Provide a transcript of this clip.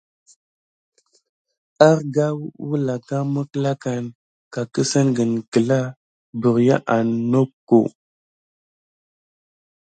Arga wəlanga mekklakan ka kəssengen gla berya an moka.